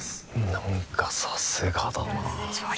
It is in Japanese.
何かさすがだなあ